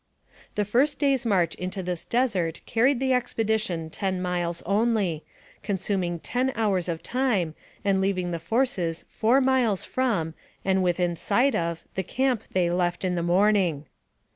The first day's march into this desert carried the expedition ten miles only, consuming ten hours of time, and leaving the forces four miles from, and AMONG THE SIOUX INDIANS. 263 within sight of, the camp, they left in the morning.